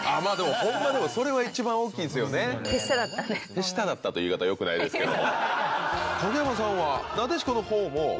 「手下だった」という言い方は良くないですけど。